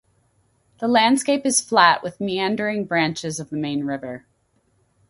The landscape is flat with meandering branches of the main river.